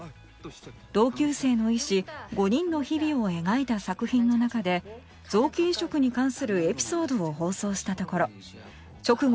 同級生の医師５人の日々を描いた作品の中で臓器移植に関するエピソードを放送したところ直後